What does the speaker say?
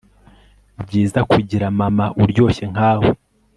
byiza kugira mama uryoshye nkawe